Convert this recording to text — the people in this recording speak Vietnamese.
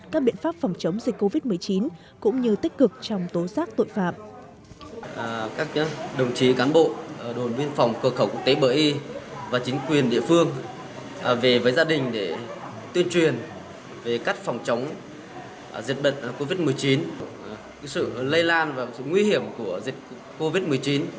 các biện pháp phòng chống dịch covid một mươi chín cũng như tích cực trong tố giác tội phạm